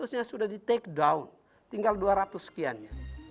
satu enam ratus nya sudah di take down tinggal dua ratus sekiannya